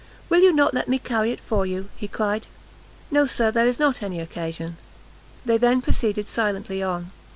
"Will you not let me carry it for you?" he cried. "No, Sir, there is not any occasion." They then proceeded silently on.